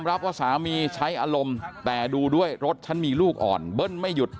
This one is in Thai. รับว่าสามีใช้อารมณ์แต่ดูด้วยรถฉันมีลูกอ่อนเบิ้ลไม่หยุด